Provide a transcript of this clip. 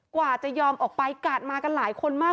กว่าจะยอมออกไปกาดมากันหลายคนมาก